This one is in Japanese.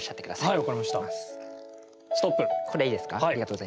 はい。